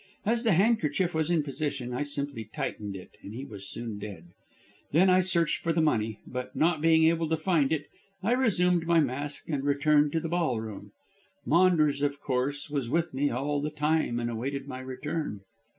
As the handkerchief was in position I simply tightened it, and he was soon dead. Then I searched for the money, but, not being able to find it, I resumed my mask and returned to the ballroom. Maunders, of course, was with me all the time, and awaited my return."